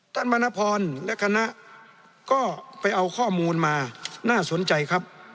มณพรและคณะก็ไปเอาข้อมูลมาน่าสนใจครับ